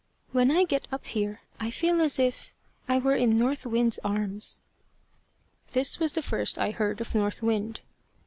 When I get up here I feel as if I were in North Wind's arms." This was the first I heard of North Wind.